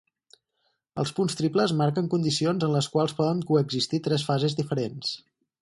Els punts triples marquen condicions en les quals poden coexistir tres fases diferents.